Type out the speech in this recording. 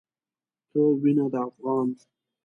ته وينه د افغان